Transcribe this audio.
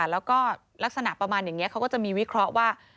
แล้วก็ลักษณะประมาณอย่างนี้เขาก็จะมีวิเคราะห์ว่า